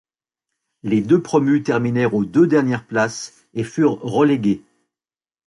Les deux promus terminèrent aux deux dernières places et furent relégués.